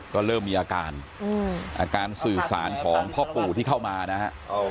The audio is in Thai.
ก็เริ่มมีอาการอาการสื่อสารของพ่อปู่ที่เข้ามานะฮะ